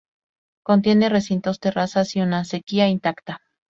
Contiene recintos, terrazas y una acequia intacta.